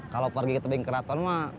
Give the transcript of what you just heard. kalau pergi ke tebing keraton